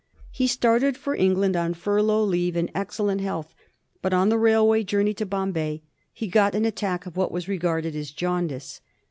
He started for England on furlough leave in excellent health, but on the railway journey to Bombay he got an attack of what was regarded as jaundice.